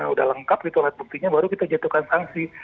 udah lengkap gitu alat buktinya baru kita jadikan sanksi